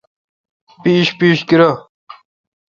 پِیش پیش گیرہ۔